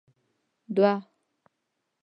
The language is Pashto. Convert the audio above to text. دوه